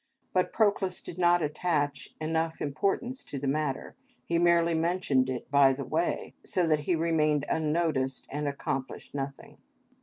But Proclus did not attach enough importance to the matter; he merely mentioned it by the way, so that he remained unnoticed and accomplished nothing.